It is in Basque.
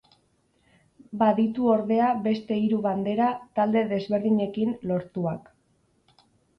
Baditu ordea beste hiru bandera talde desberdinekin lortuak.